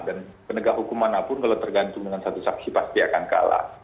dan penegak hukuman apun kalau tergantung dengan satu saksi pasti akan kalah